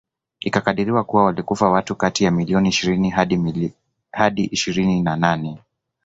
Ikikadiriwa kuwa walikufa watu kati ya milioni ishirini hadi ishirini na nane